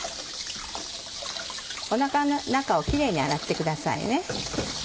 おなかの中をキレイに洗ってください。